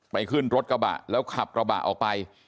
ขึ้นรถกระบะแล้วขับกระบะออกไป